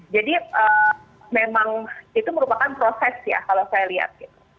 memang itu merupakan proses ya kalau saya lihat